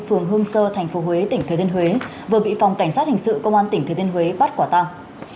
phường hương sơ tp huế tỉnh thế thiên huế vừa bị phòng cảnh sát hình sự công an tp thế thiên huế bắt quả tang